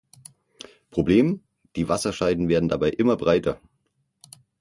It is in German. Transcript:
Problem: Die Wasserscheiden werden dabei immer breiter.